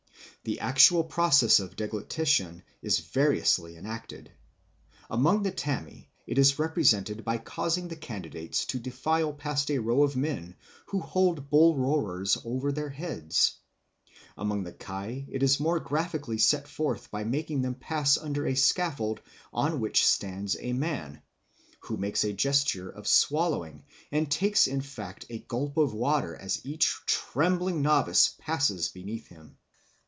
The actual process of deglutition is variously enacted. Among the Tami it is represented by causing the candidates to defile past a row of men who hold bull roarers over their heads; among the Kai it is more graphically set forth by making them pass under a scaffold on which stands a man, who makes a gesture of swallowing and takes in fact a gulp of water as each trembling novice passes beneath him.